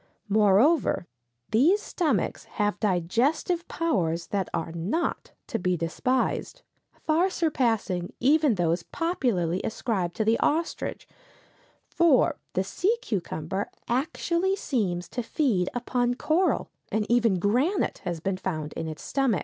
Moreover, these stomachs have digestive powers that are not to be despised, far surpassing even those popularly ascribed to the ostrich, for the sea cucumber actually seems to feed upon coral, and even granite has been found in its stomach.